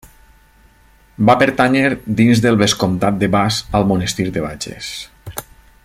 Va pertànyer dins del vescomtat de Bas al monestir de Bages.